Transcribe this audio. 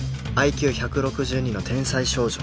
ＩＱ１６２ の天才少女